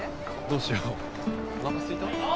どうしよう。